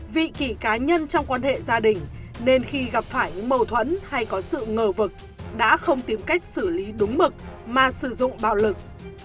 vị kỷ cá nhân trong quan hệ gia đình nên khi gặp phải những mâu thuẫn hay có sự ngờ vực đã không tìm cách xử lý đúng mực mà sử dụng bạo lực